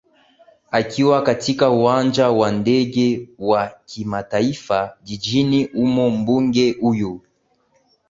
akiwa katika uwanja wa ndege wa kimataifa jijini humo mbunge huyo